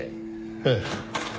ええ。